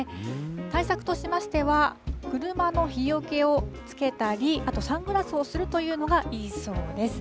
対策としましては、車の日よけをつけたり、あとサングラスをするというのがいいそうです。